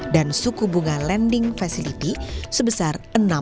dan suku bunga lending facility sebesar enam tujuh puluh lima